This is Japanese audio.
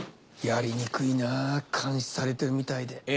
やりにくいな監視されてるみたいで。